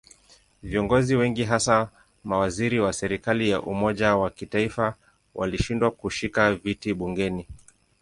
Viongozi wengi hasa mawaziri wa serikali ya umoja wa kitaifa walishindwa kushika viti bungeni.